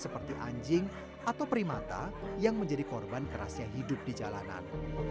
seperti anjing atau primata yang menjadi korban kerasnya hidup di jalanan